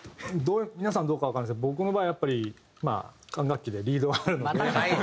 皆さんどうかわからないですけど僕の場合やっぱりまあ管楽器でリードがあるので。